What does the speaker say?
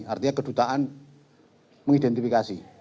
artinya kedutaan mengidentifikasi